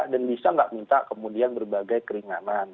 dan bisa nggak minta kemudian berbagai keringanan